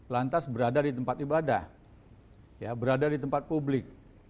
lantas berada di tempat ibadah berada di tempat publik